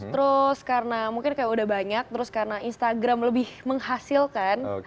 terus karena mungkin kayak udah banyak terus karena instagram lebih menghasilkan